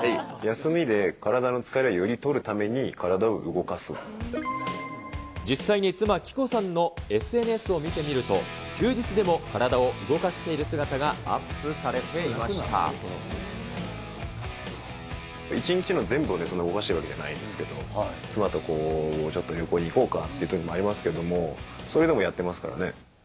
休みで体の疲れをより取るた実際に妻、貴子さんのＳＮＳを見てみると、休日でも体を動かしている姿がア一日の全部を動かしてるわけじゃないですけど、妻とこう、ちょっと旅行に行こうかというときもありますけれども、それでもやってますからね。